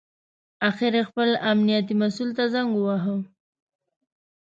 اخر یې خپل امنیتي مسوول ته زنګ وواهه.